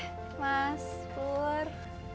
eh mas pur